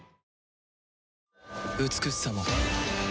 美しさも